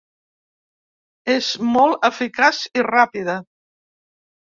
És molt eficaç i ràpida.